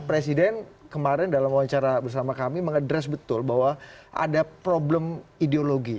presiden kemarin dalam wawancara bersama kami mengadres betul bahwa ada problem ideologi